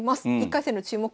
１回戦の注目